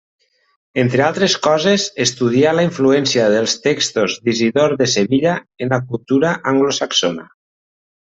Entre altres coses, estudià la influència dels textos d'Isidor de Sevilla en la cultura anglosaxona.